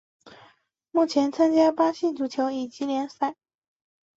目前参加巴西足球乙级联赛。